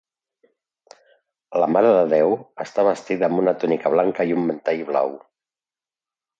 La Mare de Déu està vestida amb una túnica blanca i un mantell blau.